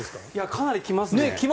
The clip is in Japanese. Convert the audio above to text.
かなり来ますね。